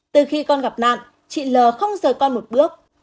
từ khi con gặp nạn chị l không rời con một bước